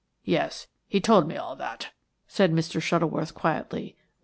"Yes, he told me all that," said Mr. Shuttleworth, quietly.